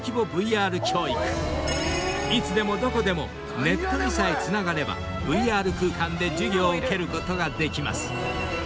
［いつでもどこでもネットにさえつながればＶＲ空間で授業を受けることができます］